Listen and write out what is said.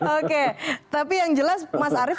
oke tapi yang jelas mas arief